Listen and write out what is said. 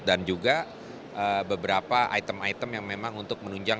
dan juga beberapa item item yang memang untuk menunjukkan